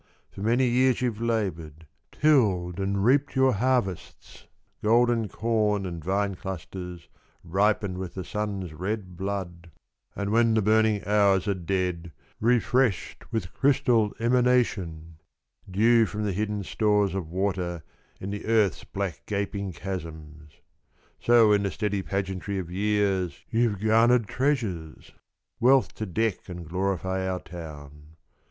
— For many years you've laboured, Tilled and reaped your harvests — Golden corn and vine clusters Ripened with the sun's red blood, 46 Soliloquy and Speech. And when the burning hours are dead, Refreshed with crystal emanation — Dew from the hidden stores Of water in the Earth's black gaping chasms. So in the steady pageantry of years You 've garnered treasures Wealth to deck and glorify our town.